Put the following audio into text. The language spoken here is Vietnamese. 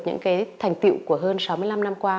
những cái thành tiệu của hơn sáu mươi năm năm qua